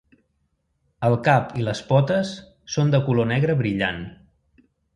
El cap i les potes són de color negre brillant.